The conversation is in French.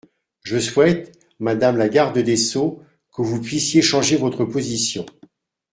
Je souhaite, madame la garde des sceaux, que vous puissiez changer votre position.